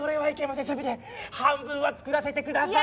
せめて半分は作らせてください。